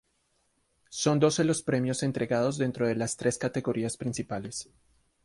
Son doce los premios entregados dentro de las tres categorías principales.